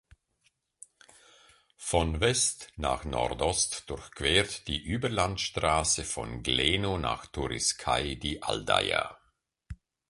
Von West nach Nordost durchquert die Überlandstraße von Gleno nach Turiscai die Aldeia.